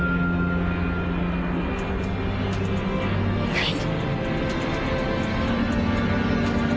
はい。